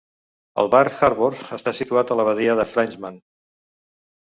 El Bar Harbor està situat a la badia de Frenchman.